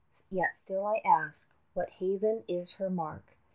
Yet still I ask, what haven is her mark?